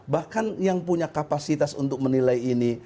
bahkan yang punya kapasitas untuk menilai ini